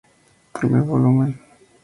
Primer volumen.